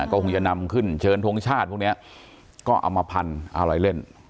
ก็คงจะนำขึ้นเชิญทงชาติพวกนี้ก็เอามาพันเอาอะไรเล่น